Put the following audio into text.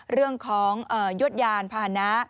เรื่องของยศญาณผ่านนะ